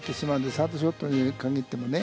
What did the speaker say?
サードショットに限ってもね。